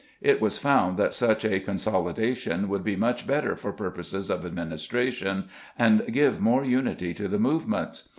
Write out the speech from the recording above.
It was found that such a consolidation would be much better for pur poses of administration, and give more unity to the movements.